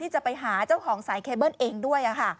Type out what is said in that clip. จะไปหาเจ้าของสายเคเบิ้ลเองด้วย